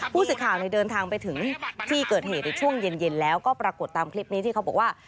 ผู้สื่อข่าวเดินทางไปถึงที่เกิดเหตุในช่วงเย็นแล้วก็ปรากฏตามคลิปนี้ที่เขาบอกว่า